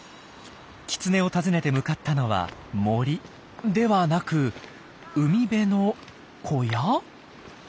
キツネを尋ねて向かったのは森ではなく海辺の小屋？